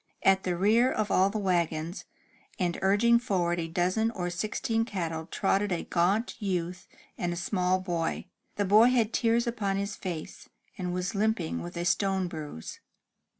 At the rear of all the wagons, and urging forward a dozen or sixteen cattle, trotted a gaunt youth and a small boy. The boy had tears upon his face, and was limping with a stone bruise.